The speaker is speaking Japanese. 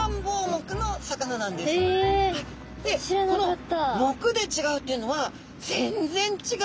でこの目で違うっていうのは全然違うことを意味します。